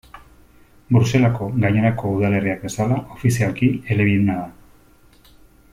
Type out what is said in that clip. Bruselako gainerako udalerriak bezala, ofizialki elebiduna da.